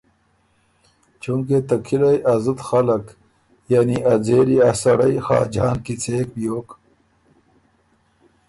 چونکې ته کِلئ ا زُت خلق یعنی ا ځېلی ا سړئ خاجان کیڅېک بیوک